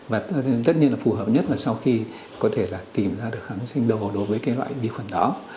và tất nhiên là phù hợp nhất là sau khi có thể là tìm ra được kháng sinh đầu đối với cái loại vi khuẩn đó